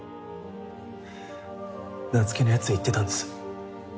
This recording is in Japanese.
夏希のやつ言ってたんです。